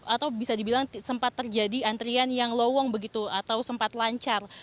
atau bisa dibilang sempat terjadi antrian yang lowong begitu atau sempat lancar